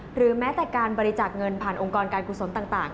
หรือแม้แต่การบริจักษ์เงินผ่านองค์กรการกลุ่มสนธุ์ต่าง